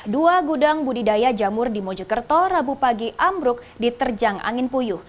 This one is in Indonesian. dua gudang budidaya jamur di mojokerto rabu pagi ambruk diterjang angin puyuh